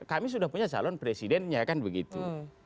kami sudah punya calon presidennya kan begitu